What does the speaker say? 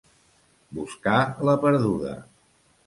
Buscar la perduda.